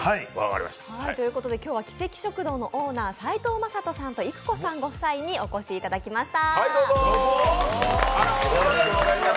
今日はキセキ食堂のオーナー、齋藤正人さんと郁子さんご夫妻にお越しいただきました。